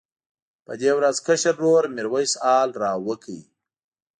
په دې ورځ کشر ورور میرویس حال راوکړ.